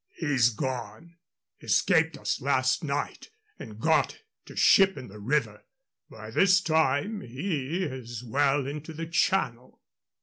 "He's gone. Escaped us last night and got to ship in the river. By this time he is well into the Channel."